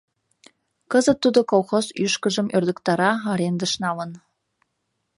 Кызыт тудо колхоз ӱшкыжым ӧрдыктара, арендыш налын.